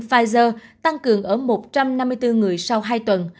pfizer tăng cường ở một trăm năm mươi bốn người sau hai tuần